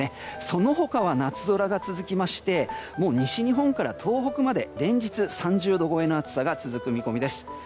その他は、夏空が続きましてもう西日本から東北まで連日３０度超えの暑さが続く見込みです。